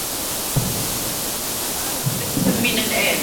چکار قراره بکنم من الان؟